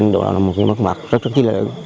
đó là một mặt mặt rất rất chí lợi ứng